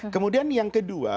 kemudian yang kedua